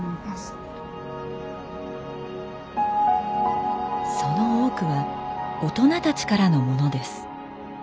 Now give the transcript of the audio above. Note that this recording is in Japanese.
その多くは大人たちからのものです。